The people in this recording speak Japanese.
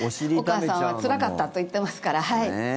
お母さんはつらかったと言ってますから。